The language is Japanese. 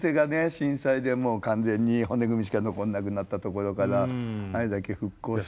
震災でもう完全に骨組みしか残んなくなったところからあれだけ復興して。